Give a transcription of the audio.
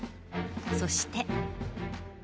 そして。